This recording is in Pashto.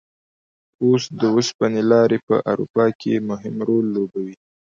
اوس د اوسپنې لارې په اروپا کې مهم رول لوبوي.